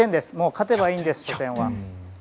勝てばいいんです、初戦は。